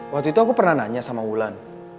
waktu itu aku pernah nanya sama wulan